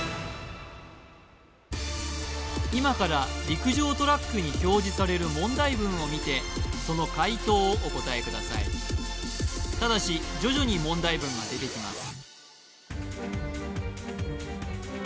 今から陸上トラックに表示される問題文を見てその解答をお答えくださいただし徐々に問題文が出てきます